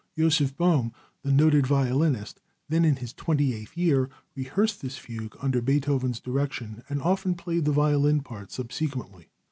Joseph Boehm, the noted violinist, then in his twenty eighth year, rehearsed this fugue under Beethoven's direction, and often played the violin part subsequently.